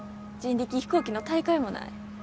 人力飛行機の大会もない。